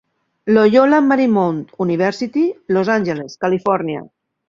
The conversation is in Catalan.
Loyola Marymount University, Los Angeles, Califòrnia.